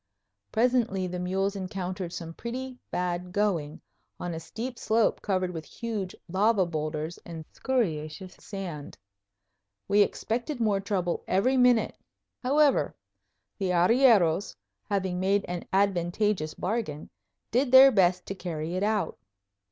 Presently the mules encountered some pretty bad going, on a steep slope covered with huge lava boulders and scoriaceous sand. We expected more trouble every minute. However, the arrieros, having made an advantageous bargain, did their best to carry it out.